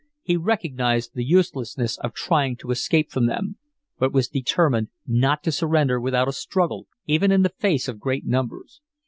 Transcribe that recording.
He recognized the uselessness of trying to escape from them, but was determined not to surrender without a struggle even in the face of great numbers.